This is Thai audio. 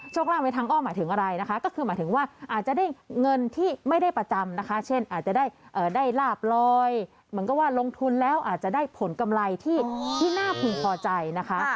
กลางในทางอ้อมหมายถึงอะไรนะคะก็คือหมายถึงว่าอาจจะได้เงินที่ไม่ได้ประจำนะคะเช่นอาจจะได้ลาบลอยเหมือนกับว่าลงทุนแล้วอาจจะได้ผลกำไรที่น่าพึงพอใจนะคะ